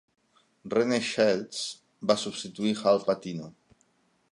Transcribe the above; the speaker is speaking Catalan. Rene Shades va substituir Hal Patino.